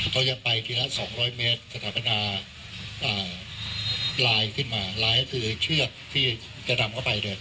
ก็จะไปทีละสองร้อยเมตรสถาปนาอ่าลายขึ้นมาลายก็คือเชือกที่จะนำเข้าไปเรื่อยต่อ